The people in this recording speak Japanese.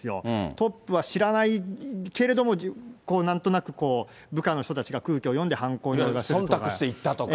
トップは知らないけれども、なんとなく部下の人たちが空気を読んで犯行に及んでいったとか。